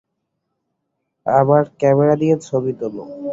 আমার ক্যামেরা দিয়ে ছবি তোলো।